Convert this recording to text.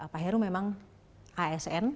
pak heru memang asn